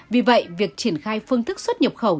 vì vậy việc triển khai phương thức xuất nhập khẩu